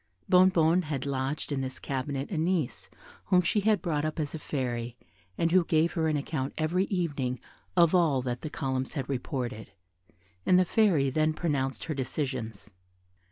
Bonnebonne had lodged in this cabinet a niece whom she had brought up as a fairy, and who gave her an account every evening of all that the columns had reported, and the Fairy then pronounced her decisions.